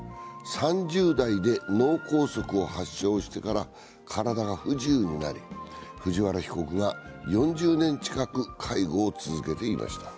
３０代で脳梗塞を発症してから体が不自由になり、藤原被告が４０年近く介護を続けていました。